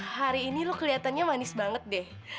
hari ini lo keliatannya manis banget deh